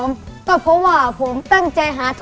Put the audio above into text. น้องไมโครโฟนจากทีมมังกรจิ๋วเจ้าพญา